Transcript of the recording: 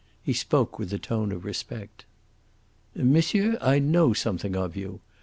He spoke with a tone of respect. "Monsieur, I know something of you.